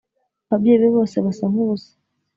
Ababyeyi be bose basa nkubusa